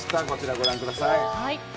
こちらご覧ください。